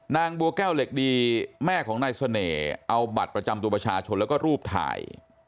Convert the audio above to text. นางบัวแก้วเหล็กดีแม่ของนายเสน่ห์เอาบัตรประจำตัวประชาชนแล้วก็รูปถ่าย